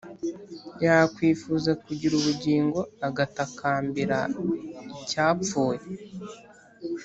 yakwifuza kugira ubugingo, agatakambira icyapfuye;